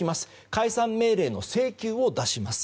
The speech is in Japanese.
解散命令の請求を出します。